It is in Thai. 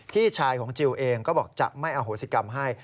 พี่ชายของจิลเองก็บอกจะไม่อโหสิกรรมให้